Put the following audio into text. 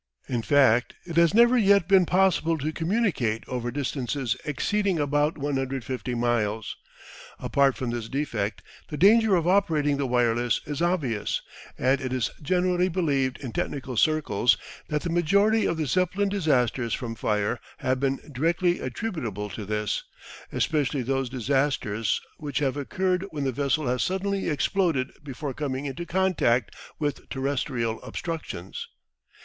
In fact, it has never yet been possible to communicate over distances exceeding about 150 miles. Apart from this defect, the danger of operating the wireless is obvious, and it is generally believed in technical circles that the majority of the Zeppelin disasters from fire have been directly attributable to this, especially those disasters which have occurred when the vessel has suddenly exploded before coming into contact with terrestrial obstructions.